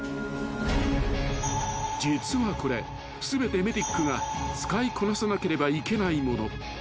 ［実はこれ全てメディックが使いこなさなければいけない物］